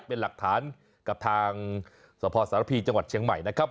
เป็นหลักฐานกับทางสพสารพีจังหวัดเชียงใหม่นะครับ